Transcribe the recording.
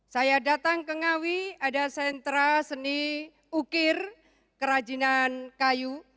saya datang ke ngawi ada sentra seni ukir kerajinan kayu